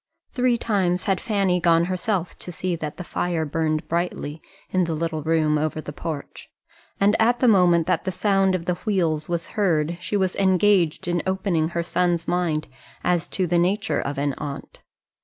Three times had Fanny gone herself to see that the fire burned brightly in the little room over the porch, and at the moment that the sound of the wheels was heard she was engaged in opening her son's mind as to the nature of an aunt.